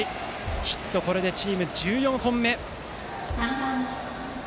ヒット、これでチーム１４本目。